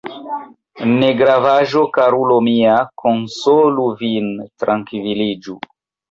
Negravaĵo, karulo mia, konsolu vin, trankviliĝu.